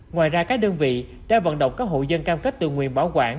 ngoài ra các đơn vị đã vận động các hội dân cam kết tự nguyên bảo quản